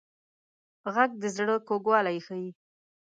غږ د زړه کوږوالی ښيي